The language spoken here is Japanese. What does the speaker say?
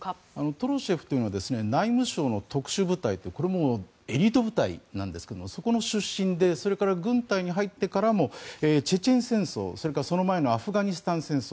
トロシェフというのは内務省の特殊部隊というこれ、エリート部隊なんですがそこの出身でそれから軍隊に入ってからもチェチェン戦争、それからその前のアフガニスタン戦争